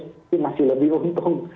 tapi masih lebih untung